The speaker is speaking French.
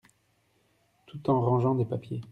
Tout en rangeant des papiers.